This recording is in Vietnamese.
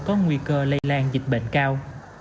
có nguy cơ lây lan dịch bệnh cao